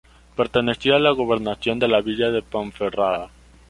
Perteneció a la gobernación de la villa de Ponferrada.